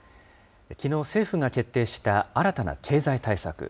きのう、政府が決定した新たな経済対策。